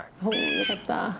よかった。